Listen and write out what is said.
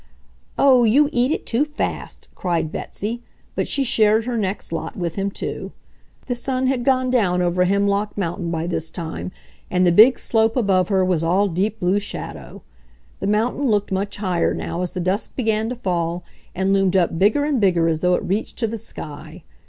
"Oh, you eat it too fast!" cried Betsy, but she shared her next lot with him too. The sun had gone down over Hemlock Mountain by this time, and the big slope above her was all deep blue shadow. The mountain looked much higher now as the dusk began to fall, and loomed up bigger and bigger as though it reached to the sky.